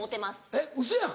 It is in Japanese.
えっウソやん。